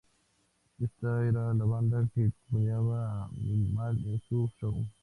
Ésta era la banda que acompañaba a Minimal en su show.